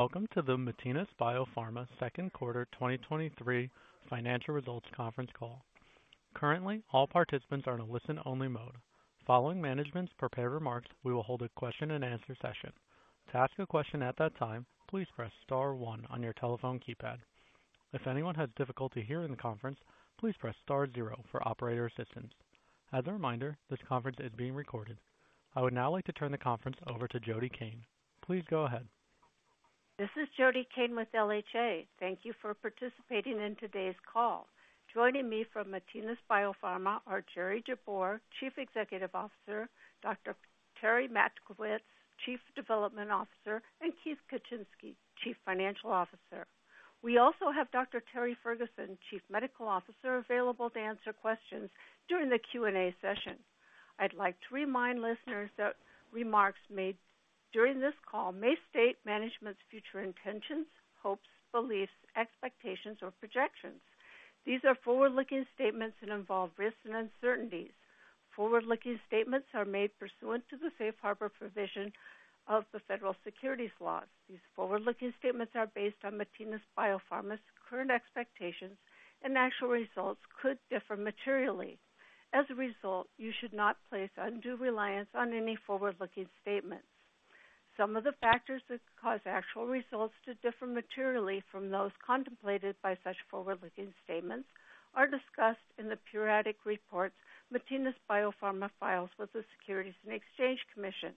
Welcome to the Matinas BioPharma Q2 2023 financial results conference call. Currently, all participants are in a listen-only mode. Following management's prepared remarks, we will hold a question-and-answer session. To ask a question at that time, please press star one on your telephone keypad. If anyone has difficulty hearing the conference, please press star zero for operator assistance. As a reminder, this conference is being recorded. I would now like to turn the conference over to Jody Cain. Please go ahead. This is Jody Cain with LHA. Thank you for participating in today's call. Joining me from Matinas BioPharma are Jerome Jabbour, Chief Executive Officer, Dr. Theresa Matkovits, Chief Development Officer, and Keith Kucinski, Chief Financial Officer. We also have Dr. James Ferguson, Chief Medical Officer, available to answer questions during the Q&A session. I'd like to remind listeners that remarks made during this call may state management's future intentions, hopes, beliefs, expectations, or projections. These are forward-looking statements that involve risks and uncertainties. Forward-looking statements are made pursuant to the safe harbor provision of the federal securities laws. These forward-looking statements are based on Matinas BioPharma's current expectations, and actual results could differ materially. As a result, you should not place undue reliance on any forward-looking statements. Some of the factors that could cause actual results to differ materially from those contemplated by such forward-looking statements are discussed in the periodic reports Matinas BioPharma files with the Securities and Exchange Commission.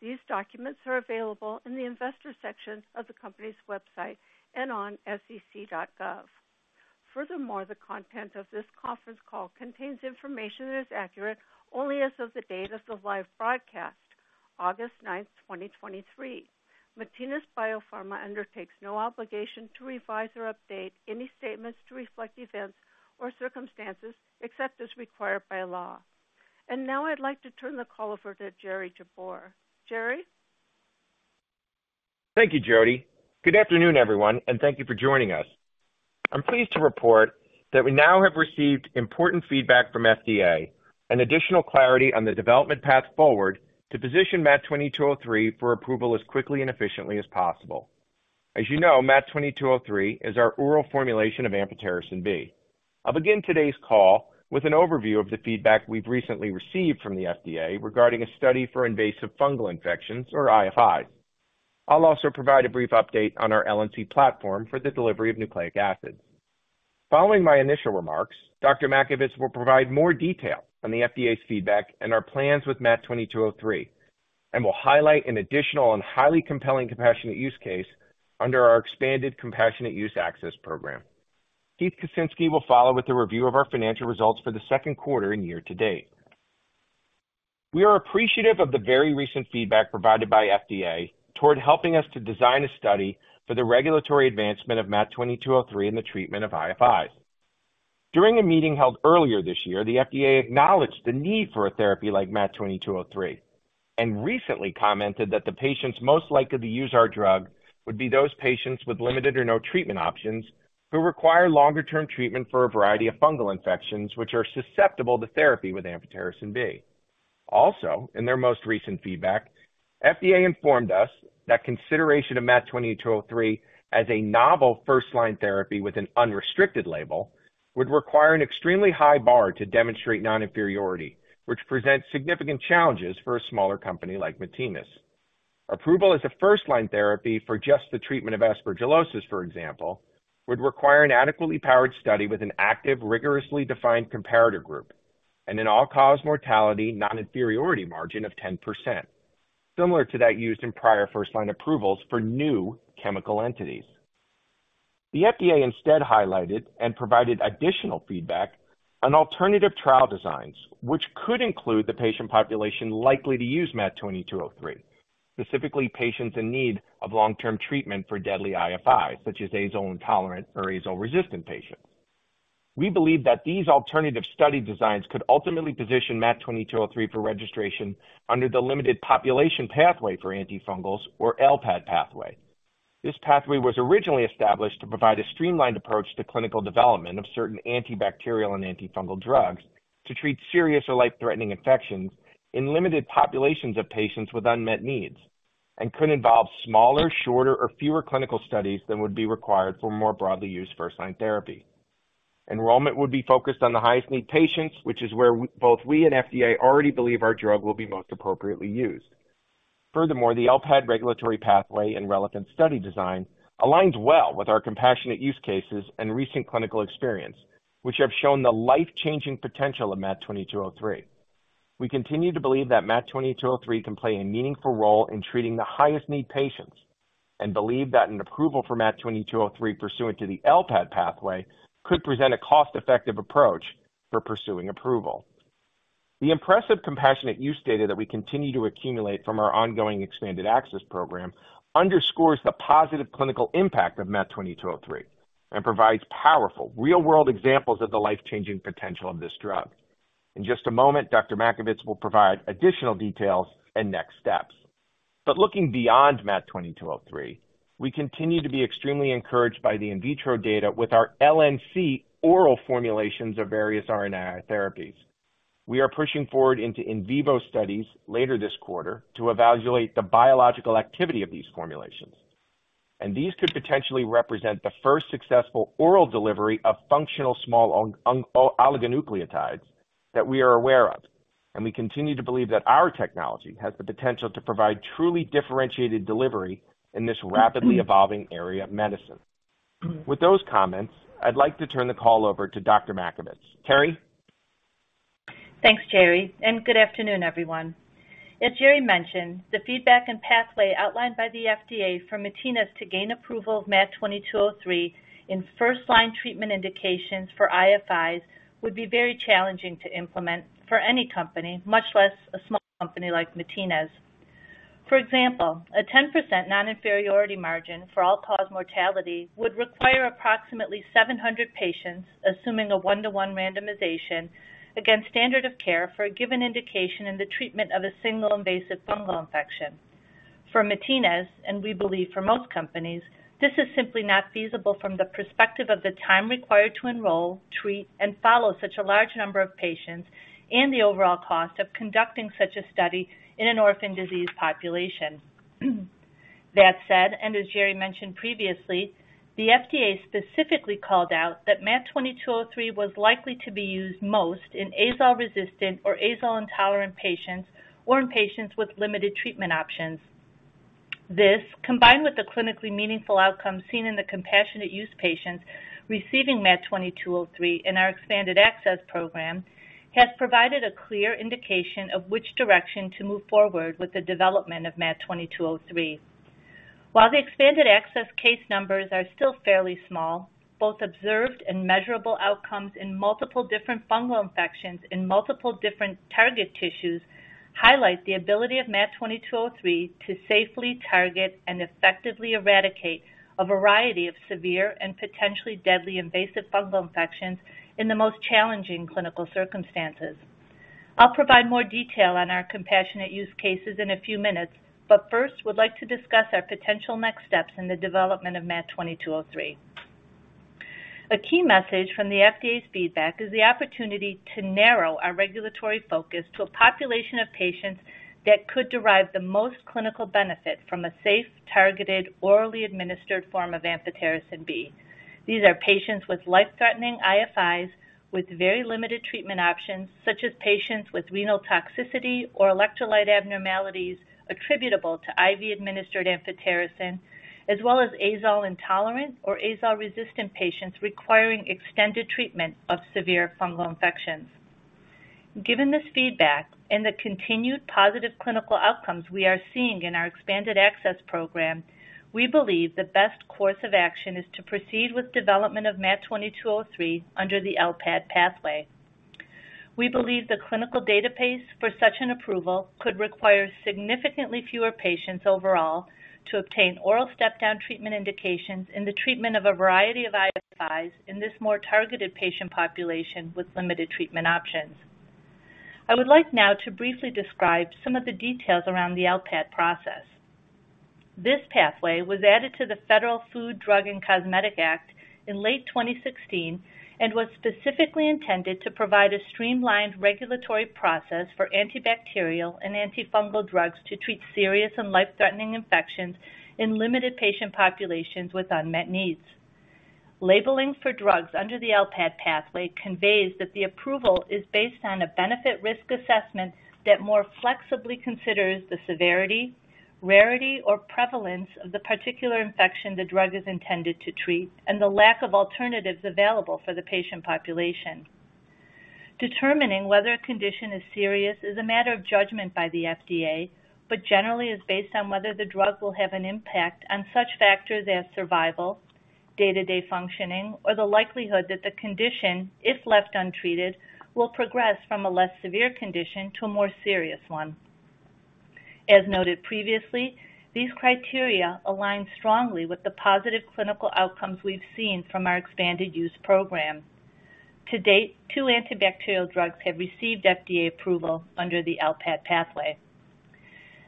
These documents are available in the Investors section of the company's website and on sec.gov. Furthermore, the content of this conference call contains information that is accurate only as of the date of the live broadcast, August 9, 2023. Matinas BioPharma undertakes no obligation to revise or update any statements to reflect events or circumstances, except as required by law. Now I'd like to turn the call over to Jerome Jabbour. Jerry? Thank you, Jody. Good afternoon, everyone, and thank you for joining us. I'm pleased to report that we now have received important feedback from FDA and additional clarity on the development path forward to position MAT 2203 for approval as quickly and efficiently as possible. As you know, MAT 2203 is our oral formulation of Amphotericin B. I'll begin today's call with an overview of the feedback we've recently received from the FDA regarding a study for invasive fungal infections, or IFIs. I'll also provide a brief update on our LNC platform for the delivery of nucleic acids. Following my initial remarks, Dr. Matkovits will provide more detail on the FDA's feedback and our plans with MAT 2203, and will highlight an additional and highly compelling compassionate use case under our expanded Compassionate Use Access Program. Keith Kucinski will follow with a review of our financial results for the Q2 and year to date. We are appreciative of the very recent feedback provided by FDA toward helping us to design a study for the regulatory advancement of MAT2203 in the treatment of IFIs. During a meeting held earlier this year, the FDA acknowledged the need for a therapy like MAT2203 and recently commented that the patients most likely to use our drug would be those patients with limited or no treatment options, who require longer-term treatment for a variety of fungal infections which are susceptible to therapy with Amphotericin B. In their most recent feedback, FDA informed us that consideration of MAT2203 as a novel first-line therapy with an unrestricted label, would require an extremely high bar to demonstrate non-inferiority, which presents significant challenges for a smaller company like Matinas. Approval as a first-line therapy for just the treatment of aspergillosis, for example, would require an adequately powered study with an active, rigorously defined comparator group and an all-cause mortality non-inferiority margin of 10%, similar to that used in prior first-line approvals for new chemical entities. The FDA instead highlighted and provided additional feedback on alternative trial designs, which could include the patient population likely to use MAT2203, specifically patients in need of long-term treatment for deadly IFIs, such as azole-intolerant or azole-resistant patients. We believe that these alternative study designs could ultimately position MAT2203 for registration under the limited population pathway for antifungals or LPAD pathway. This pathway was originally established to provide a streamlined approach to clinical development of certain antibacterial and antifungal drugs to treat serious or life-threatening infections in limited populations of patients with unmet needs and could involve smaller, shorter, or fewer clinical studies than would be required for more broadly used first-line therapy. Enrollment would be focused on the highest need patients, which is where both we and FDA already believe our drug will be most appropriately used. The LPAD regulatory pathway and relevant study design aligns well with our compassionate use cases and recent clinical experience, which have shown the life-changing potential of MAT2203. We continue to believe that MAT2203 can play a meaningful role in treating the highest need patients and believe that an approval for MAT2203 pursuant to the LPAD pathway could present a cost-effective approach for pursuing approval. The impressive compassionate use data that we continue to accumulate from our ongoing expanded access program underscores the positive clinical impact of MAT2203 and provides powerful, real-world examples of the life-changing potential of this drug. In just a moment, Dr. Matkovits will provide additional details and next steps. Looking beyond MAT2203, we continue to be extremely encouraged by the in vitro data with our LNC oral formulations of various RNA therapies. We are pushing forward into in vivo studies later this quarter to evaluate the biological activity of these formulations. These could potentially represent the first successful oral delivery of functional small oligonucleotides that we are aware of. We continue to believe that our technology has the potential to provide truly differentiated delivery in this rapidly evolving area of medicine. With those comments, I'd like to turn the call over to Dr. Matkovits. Terry? Thanks, Jerry. Good afternoon, everyone. As Jerry mentioned, the feedback and pathway outlined by the FDA for Matinas to gain approval of MAT2203 in first-line treatment indications for IFIs would be very challenging to implement for any company, much less a small company like Matinas. For example, a 10% non-inferiority margin for all-cause mortality would require approximately 700 patients, assuming a 1-to-1 randomization against standard of care for a given indication in the treatment of a single invasive fungal infection. For Matinas, and we believe for most companies, this is simply not feasible from the perspective of the time required to enroll, treat, and follow such a large number of patients, and the overall cost of conducting such a study in an orphan disease population. That said, as Jerry mentioned previously, the FDA specifically called out that MAT2203 was likely to be used most in azole-resistant or azole-intolerant patients or in patients with limited treatment options. This, combined with the clinically meaningful outcomes seen in the compassionate use patients receiving MAT2203 in our expanded access program, has provided a clear indication of which direction to move forward with the development of MAT2203. While the expanded access case numbers are still fairly small, both observed and measurable outcomes in multiple different fungal infections in multiple different target tissues highlight the ability of MAT2203 to safely target and effectively eradicate a variety of severe and potentially deadly invasive fungal infections in the most challenging clinical circumstances. I'll provide more detail on our compassionate use cases in a few minutes, first, would like to discuss our potential next steps in the development of MAT2203. A key message from the FDA's feedback is the opportunity to narrow our regulatory focus to a population of patients that could derive the most clinical benefit from a safe, targeted, orally administered form of amphotericin B. These are patients with life-threatening IFIs, with very limited treatment options, such as patients with renal toxicity or electrolyte abnormalities attributable to IV-administered amphotericin, as well as azole-intolerant or azole-resistant patients requiring extended treatment of severe fungal infections. Given this feedback and the continued positive clinical outcomes we are seeing in our expanded access program, we believe the best course of action is to proceed with development of MAT2203 under the LPAD pathway. We believe the clinical database for such an approval could require significantly fewer patients overall to obtain oral step-down treatment indications in the treatment of a variety of IFIs in this more targeted patient population with limited treatment options. I would like now to briefly describe some of the details around the LPAD process. This pathway was added to the Federal Food, Drug, and Cosmetic Act in late 2016, and was specifically intended to provide a streamlined regulatory process for antibacterial and antifungal drugs to treat serious and life-threatening infections in limited patient populations with unmet needs. Labeling for drugs under the LPAD pathway conveys that the approval is based on a benefit-risk assessment that more flexibly considers the severity, rarity, or prevalence of the particular infection the drug is intended to treat, and the lack of alternatives available for the patient population. Determining whether a condition is serious is a matter of judgment by the FDA, but generally is based on whether the drug will have an impact on such factors as survival, day-to-day functioning, or the likelihood that the condition, if left untreated, will progress from a less severe condition to a more serious one. As noted previously, these criteria align strongly with the positive clinical outcomes we've seen from our expanded use program. To date, two antibacterial drugs have received FDA approval under the LPAD pathway.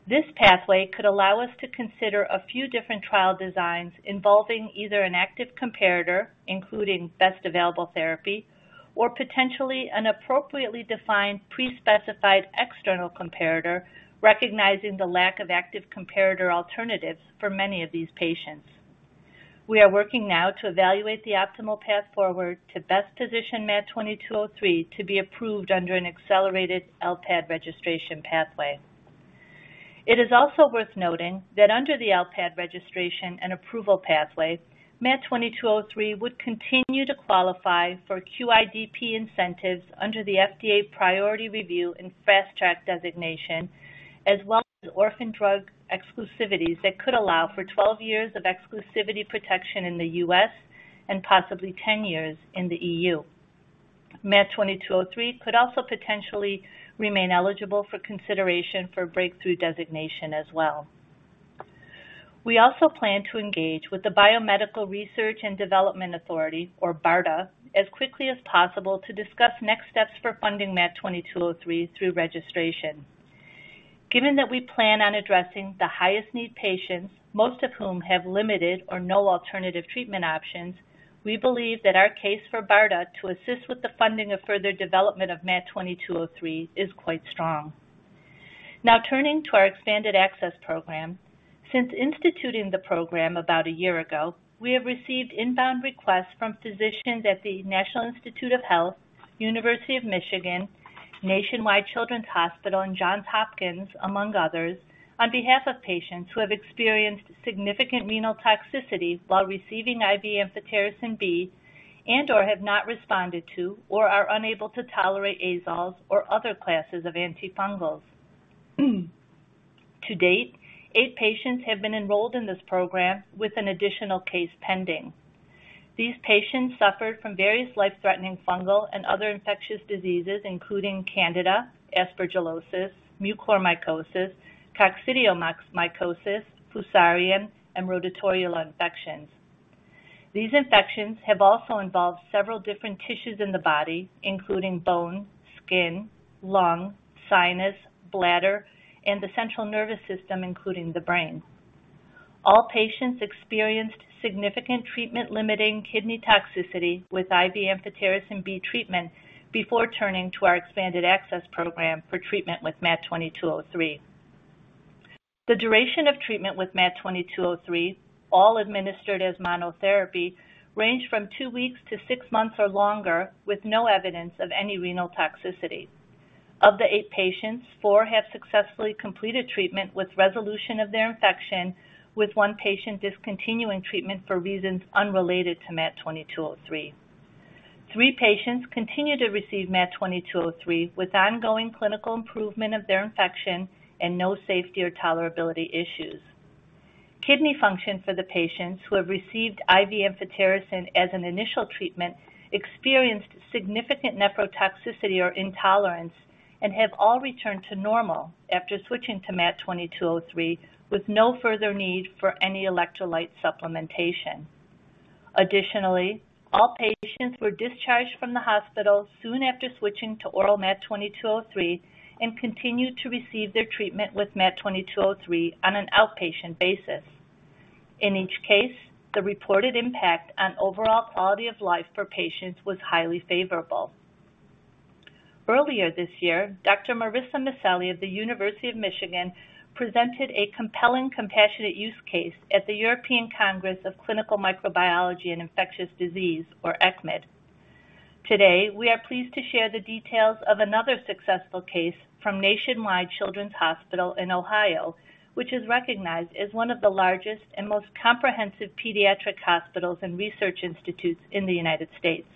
This pathway could allow us to consider a few different trial designs involving either an active comparator, including best available therapy, or potentially an appropriately defined pre-specified external comparator, recognizing the lack of active comparator alternatives for many of these patients. We are working now to evaluate the optimal path forward to best position MAT2203 to be approved under an accelerated LPAD registration pathway. It is also worth noting that under the LPAD registration and approval pathway, MAT2203 would continue to qualify for QIDP incentives under the FDA Priority Review and Fast Track designation, as well as Orphan Drug exclusivities that could allow for 12 years of exclusivity protection in the U.S. and possibly 10 years in the EU. MAT2203 could also potentially remain eligible for consideration for Breakthrough designation as well. We also plan to engage with the Biomedical Research and Development Authority, or BARDA, as quickly as possible to discuss next steps for funding MAT2203 through registration. Given that we plan on addressing the highest need patients, most of whom have limited or no alternative treatment options, we believe that our case for BARDA to assist with the funding of further development of MAT2203 is quite strong. Turning to our Expanded Access Program. Since instituting the program about a year ago, we have received inbound requests from physicians at the National Institutes of Health, University of Michigan, Nationwide Children's Hospital, and Johns Hopkins, among others, on behalf of patients who have experienced significant renal toxicity while receiving IV amphotericin B and/or have not responded to or are unable to tolerate azoles or other classes of antifungals. To date, eight patients have been enrolled in this program with an additional case pending. These patients suffered from various life-threatening fungal and other infectious diseases, including Candida, aspergillosis, mucormycosis, coccidioidomycosis, Fusarium, and Rhodotorula infections. These infections have also involved several different tissues in the body, including bone, skin, lung, sinus, bladder, and the central nervous system, including the brain. All patients experienced significant treatment-limiting kidney toxicity with IV amphotericin B treatment before turning to our expanded access program for treatment with MAT2203. The duration of treatment with MAT2203, all administered as monotherapy, ranged from 2 weeks to 6 months or longer, with no evidence of any renal toxicity. Of the 8 patients, 4 have successfully completed treatment with resolution of their infection, with 1 patient discontinuing treatment for reasons unrelated to MAT2203. 3 patients continue to receive MAT2203 with ongoing clinical improvement of their infection and no safety or tolerability issues. Kidney function for the patients who have received IV amphotericin as an initial treatment, experienced significant nephrotoxicity or intolerance, and have all returned to normal after switching to MAT2203, with no further need for any electrolyte supplementation. Additionally, all patients were discharged from the hospital soon after switching to oral MAT2203 and continued to receive their treatment with MAT2203 on an outpatient basis. In each case, the reported impact on overall quality of life for patients was highly favorable. Earlier this year, Dr. Marisa Miceli of the University of Michigan presented a compelling compassionate use case at the European Congress of Clinical Microbiology and Infectious Diseases, or ECCMID. Today, we are pleased to share the details of another successful case from Nationwide Children's Hospital in Ohio, which is recognized as one of the largest and most comprehensive pediatric hospitals and research institutes in the United States.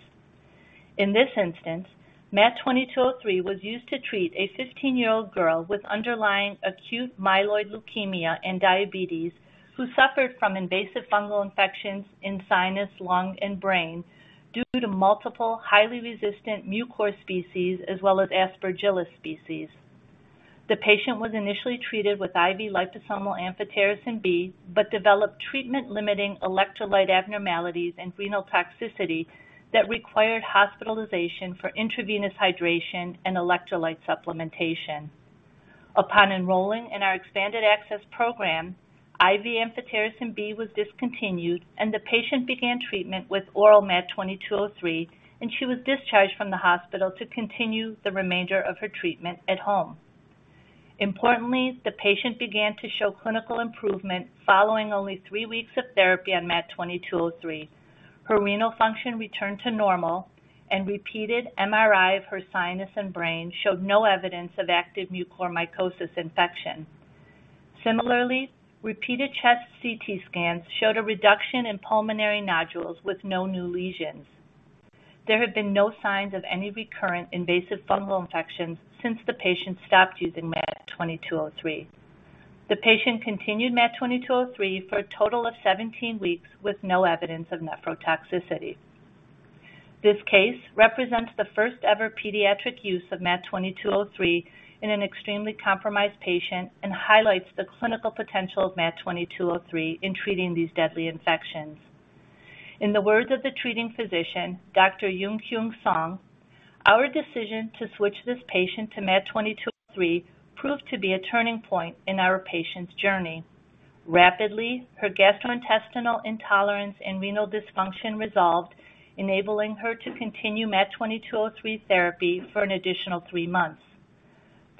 In this instance, MAT2203 was used to treat a 15-year-old girl with underlying acute myeloid leukemia and diabetes, who suffered from invasive fungal infections in sinus, lung, and brain due to multiple highly resistant Mucor species, as well as Aspergillus species. The patient was initially treated with IV liposomal amphotericin B, but developed treatment-limiting electrolyte abnormalities and renal toxicity that required hospitalization for intravenous hydration and electrolyte supplementation. Upon enrolling in our Expanded Access Program, IV amphotericin B was discontinued, the patient began treatment with oral MAT2203, and she was discharged from the hospital to continue the remainder of her treatment at home. Importantly, the patient began to show clinical improvement following only three weeks of therapy on MAT2203. Her renal function returned to normal, repeated MRI of her sinus and brain showed no evidence of active mucormycosis infection. Similarly, repeated chest CT scans showed a reduction in pulmonary nodules with no new lesions. There have been no signs of any recurrent invasive fungal infections since the patient stopped using MAT2203. The patient continued MAT2203 for a total of 17 weeks with no evidence of nephrotoxicity. This case represents the first-ever pediatric use of MAT2203 in an extremely compromised patient and highlights the clinical potential of MAT2203 in treating these deadly infections. In the words of the treating physician, Dr. Yung-Hyun Song, "Our decision to switch this patient to MAT2203 proved to be a turning point in our patient's journey. Rapidly, her gastrointestinal intolerance and renal dysfunction resolved, enabling her to continue MAT2203 therapy for an additional three months.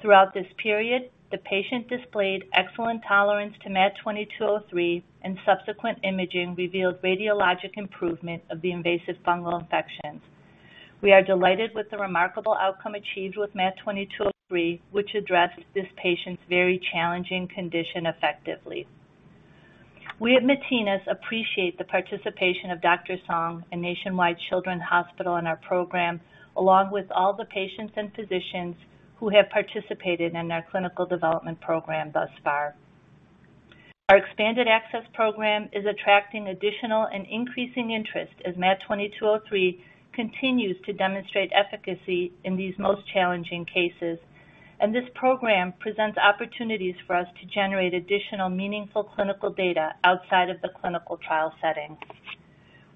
Throughout this period, the patient displayed excellent tolerance to MAT2203, and subsequent imaging revealed radiologic improvement of the Invasive Fungal Infections. We are delighted with the remarkable outcome achieved with MAT2203, which addressed this patient's very challenging condition effectively." We at Matinas appreciate the participation of Dr. Song and Nationwide Children's Hospital in our program, along with all the patients and physicians who have participated in our clinical development program thus far. Our expanded access program is attracting additional and increasing interest as MAT2203 continues to demonstrate efficacy in these most challenging cases. This program presents opportunities for us to generate additional meaningful clinical data outside of the clinical trial setting.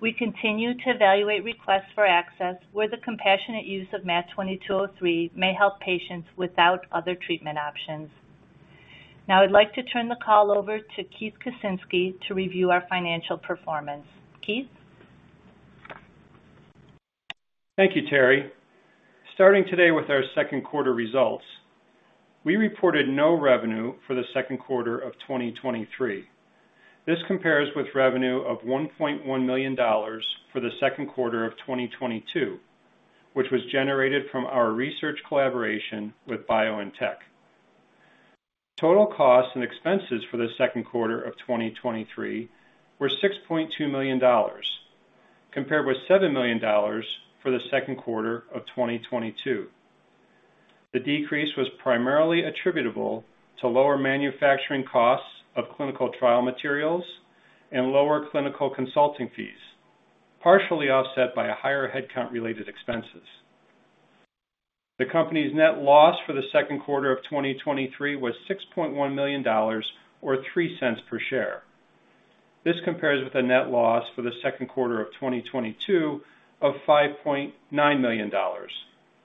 We continue to evaluate requests for access where the compassionate use of MAT2203 may help patients without other treatment options. Now I'd like to turn the call over to Keith Kucinski to review our financial performance. Keith? Thank you, Terry. Starting today with our Q2 results, we reported no revenue for the Q2 of 2023. This compares with revenue of $1.1 million for the Q2 of 2022, which was generated from our research collaboration with BioNTech. Total costs and expenses for the Q2 of 2023 were $6.2 million, compared with $7 million for the Q2 of 2022. The decrease was primarily attributable to lower manufacturing costs of clinical trial materials and lower clinical consulting fees, partially offset by a higher headcount related expenses. The company's net loss for the Q2 of 2023 was $6.1 million, or $0.03 per share. This compares with a net loss for the Q2 of 2022 of $5.9 million,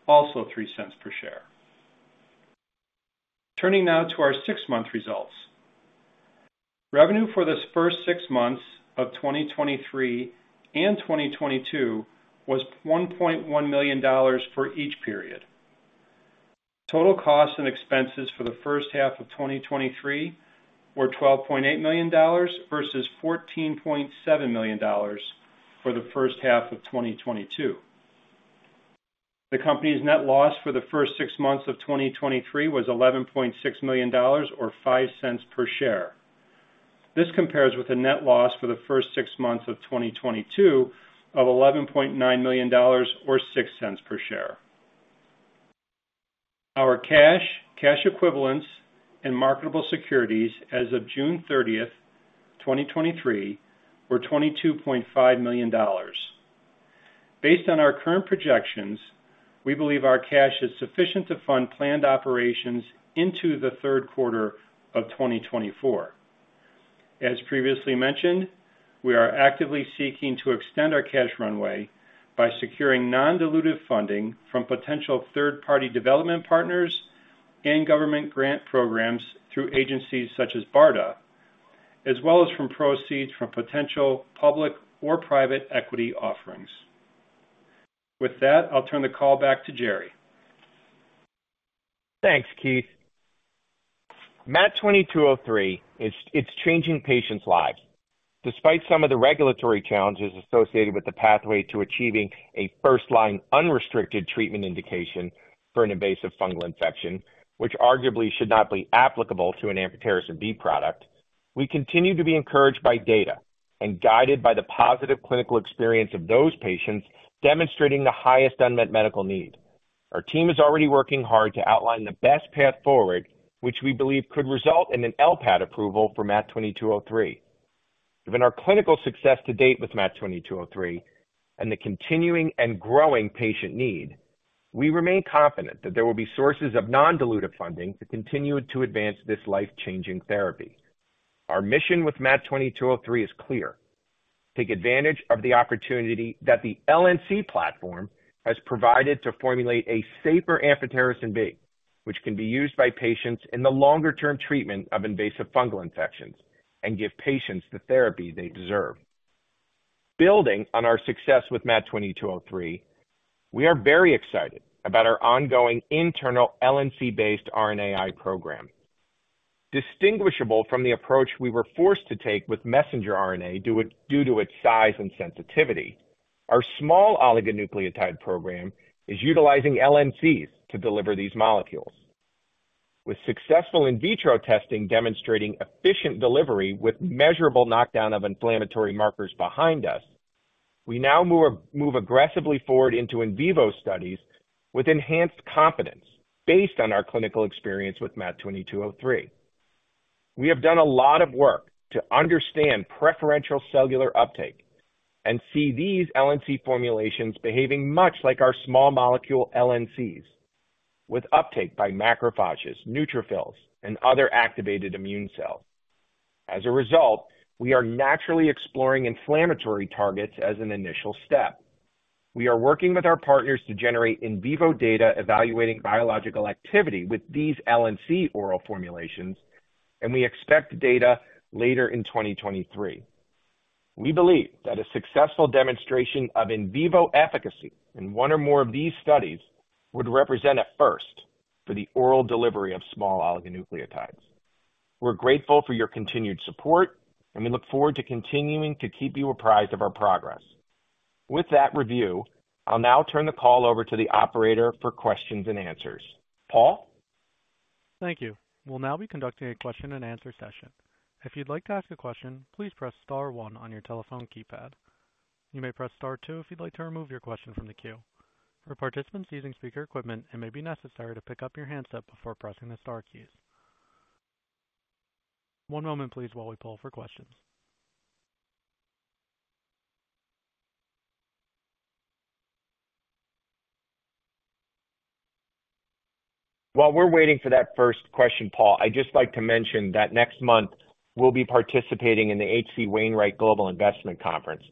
also $0.03 per share. Turning now to our six-month results. Revenue for this first six months of 2023 and 2022 was $1.1 million for each period. Total costs and expenses for the first half of 2023 were $12.8 million versus $14.7 million for the first half of 2022. The company's net loss for the first six months of 2023 was $11.6 million, or $0.05 per share. This compares with a net loss for the first six months of 2022 of $11.9 million, or $0.06 per share. Our cash, cash equivalents, and marketable securities as of June thirtieth, 2023, were $22.5 million. Based on our current projections, we believe our cash is sufficient to fund planned operations into the Q3 of 2024. As previously mentioned, we are actively seeking to extend our cash runway by securing non-dilutive funding from potential third-party development partners and government grant programs through agencies such as BARDA, as well as from proceeds from potential public or private equity offerings. With that, I'll turn the call back to Jerry. Thanks, Keith. MAT2203 it's changing patients' lives. Despite some of the regulatory challenges associated with the pathway to achieving a first-line unrestricted treatment indication for an invasive fungal infection, which arguably should not be applicable to an amphotericin B product, we continue to be encouraged by data and guided by the positive clinical experience of those patients demonstrating the highest unmet medical need. Our team is already working hard to outline the best path forward, which we believe could result in an LPAD approval for MAT2203. Given our clinical success to date with MAT2203 and the continuing and growing patient need, we remain confident that there will be sources of non-dilutive funding to continue to advance this life-changing therapy. Our mission with MAT2203 is clear, take advantage of the opportunity that the LNC platform has provided to formulate a safer amphotericin B, which can be used by patients in the longer-term treatment of invasive fungal infections and give patients the therapy they deserve. Building on our success with MAT2203, we are very excited about our ongoing internal LNC-based RNAi program. Distinguishable from the approach we were forced to take with messenger RNA due to its size and sensitivity, our small oligonucleotide program is utilizing LNCs to deliver these molecules. With successful in vitro testing demonstrating efficient delivery with measurable knockdown of inflammatory markers behind us, we now move aggressively forward into in vivo studies with enhanced confidence based on our clinical experience with MAT2203. We have done a lot of work to understand preferential cellular uptake and see these LNC formulations behaving much like our small molecule, LNCs, with uptake by macrophages, neutrophils, and other activated immune cells. As a result, we are naturally exploring inflammatory targets as an initial step. We are working with our partners to generate in vivo data evaluating biological activity with these LNC oral formulations, and we expect data later in 2023. We believe that a successful demonstration of in vivo efficacy in one or more of these studies would represent a first for the oral delivery of small oligonucleotides. We're grateful for your continued support, and we look forward to continuing to keep you apprised of our progress. With that review, I'll now turn the call over to the operator for questions and answers. Paul? Thank you. We'll now be conducting a question-and-answer session. If you'd like to ask a question, please press star one on your telephone keypad. You may press star two if you'd like to remove your question from the queue. For participants using speaker equipment, it may be necessary to pick up your handset before pressing the star keys. One moment, please, while we pull for questions. While we're waiting for that first question, Paul, I'd just like to mention that next month we'll be participating in the H.C. Wainwright Global Investment Conference.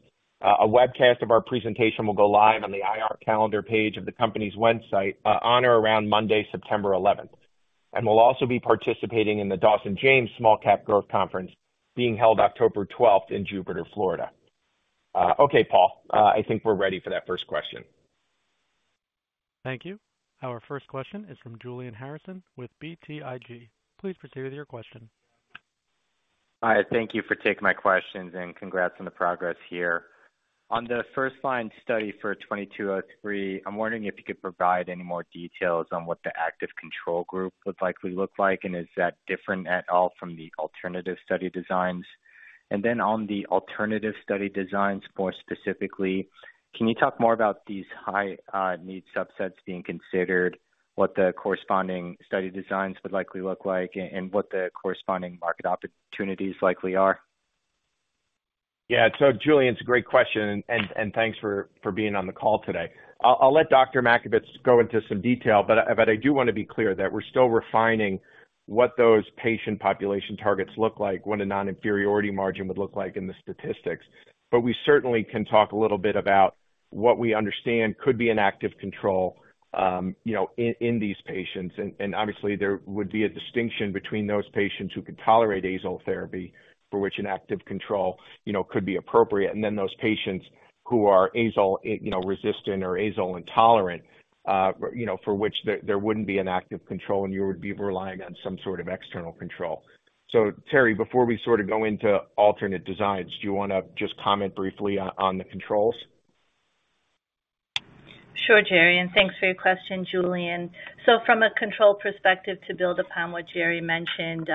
A webcast of our presentation will go live on the IR calendar page of the company's website, on or around Monday, September 11th. We'll also be participating in the Dawson James Small Cap Growth Conference, being held October 12th in Jupiter, Florida. Okay, Paul, I think we're ready for that first question. Thank you. Our first question is from Julian Harrison with BTIG. Please proceed with your question. Hi, thank you for taking my questions, and congrats on the progress here. On the first line study for MAT2203, I'm wondering if you could provide any more details on what the active control group would likely look like, and is that different at all from the alternative study designs? Then on the alternative study designs, more specifically, can you talk more about these high need subsets being considered, what the corresponding study designs would likely look like, and what the corresponding market opportunities likely are? Yeah. Julian, it's a great question, and thanks for being on the call today. I'll let Dr. Matkovits go into some detail, but I do want to be clear that we're still refining what those patient population targets look like, what a non-inferiority margin would look like in the statistics. We certainly can talk a little bit about what we understand could be an active control, you know, in these patients. And obviously, there would be a distinction between those patients who could tolerate azole therapy, for which an active control, you know, could be appropriate, and then those patients who are azole, you know, resistant or azole intolerant, you know, for which there wouldn't be an active control, and you would be relying on some sort of external control. Terry, before we sort of go into alternate designs, do you want to just comment briefly on, on the controls? Sure, Jerry, thanks for your question, Julian. From a control perspective, to build upon what Jerry mentioned,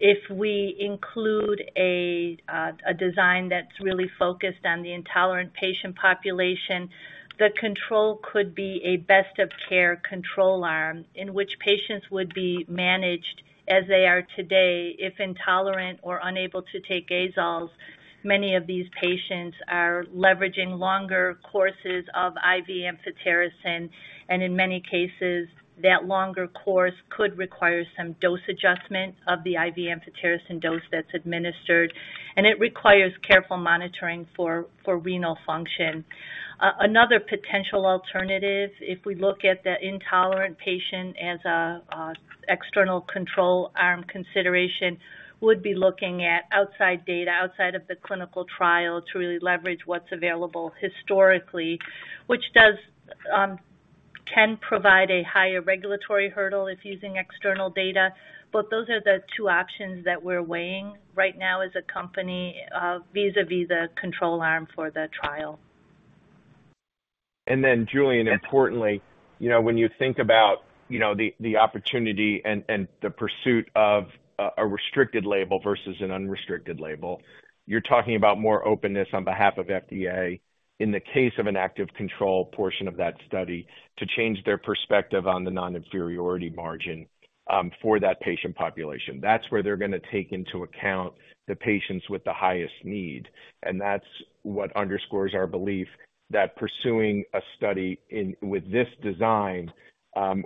if we include a design that's really focused on the intolerant patient population, the control could be a best of care control arm, in which patients would be managed as they are today. If intolerant or unable to take azoles, many of these patients are leveraging longer courses of IV amphotericin, in many cases, that longer course could require some dose adjustment of the IV amphotericin dose that's administered, it requires careful monitoring for renal function. Another potential alternative, if we look at the intolerant patient as a external control arm consideration, would be looking at outside data, outside of the clinical trial to really leverage what's available historically, which does can provide a higher regulatory hurdle if using external data. Those are the two options that we're weighing right now as a company, vis-a-vis the control arm for the trial. Then Julian, importantly, you know, when you think about the opportunity and the pursuit of a restricted label versus an unrestricted label, you're talking about more openness on behalf of FDA in the case of an active control portion of that study to change their perspective on the non-inferiority margin for that patient population. That's where they're gonna take into account the patients with the highest need, and that's what underscores our belief that pursuing a study in with this design,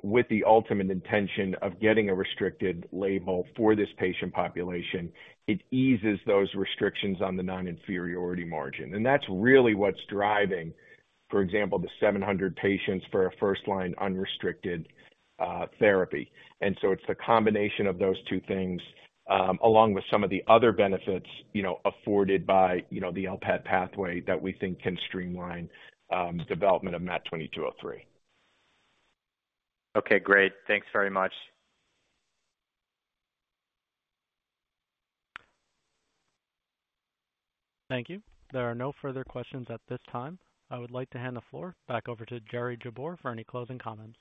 with the ultimate intention of getting a restricted label for this patient population, it eases those restrictions on the non-inferiority margin. That's really what's driving, for example, the 700 patients for a first-line, unrestricted therapy. It's the combination of those two things, along with some of the other benefits, you know, afforded by, you know, the LPAD pathway, that we think can streamline, development of MAT2203. Okay, great. Thanks very much. Thank you. There are no further questions at this time. I would like to hand the floor back over to Jerry Jabbour for any closing comments.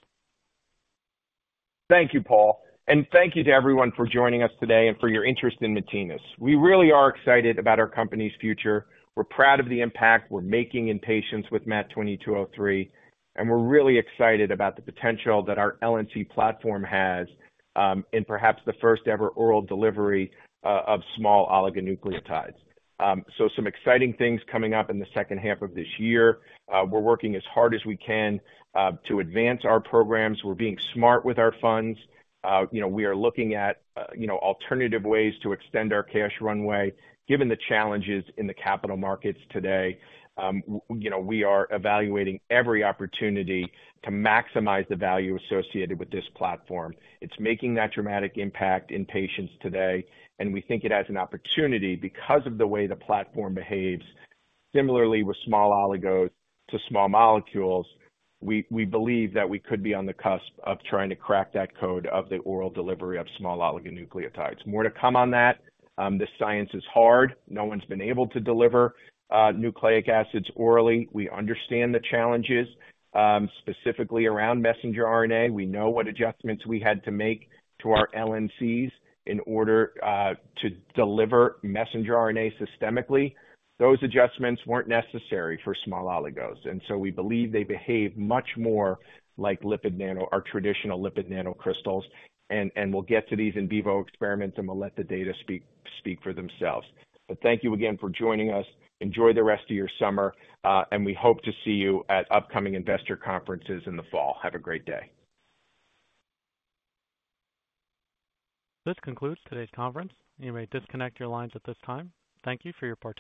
Thank you, Paul, and thank you to everyone for joining us today and for your interest in Matinas. We really are excited about our company's future. We're proud of the impact we're making in patients with MAT2203, and we're really excited about the potential that our LNC platform has, in perhaps the first ever oral delivery of small oligonucleotides. Some exciting things coming up in the second half of this year. We're working as hard as we can to advance our programs. We're being smart with our funds. You know, we are looking at, you know, alternative ways to extend our cash runway, given the challenges in the capital markets today. You know, we are evaluating every opportunity to maximize the value associated with this platform. It's making that dramatic impact in patients today, and we think it has an opportunity because of the way the platform behaves similarly with small oligos to small molecules. We believe that we could be on the cusp of trying to crack that code of the oral delivery of small oligonucleotides. More to come on that. This science is hard. No one's been able to deliver nucleic acids orally. We understand the challenges specifically around messenger RNA. We know what adjustments we had to make to our LNCs in order to deliver messenger RNA systemically. Those adjustments weren't necessary for small oligos, so we believe they behave much more like lipid nano or traditional lipid nanocrystals. We'll get to these in vivo experiments, and we'll let the data speak for themselves. Thank you again for joining us. Enjoy the rest of your summer, and we hope to see you at upcoming investor conferences in the fall. Have a great day. This concludes today's conference. You may disconnect your lines at this time. Thank you for your participation.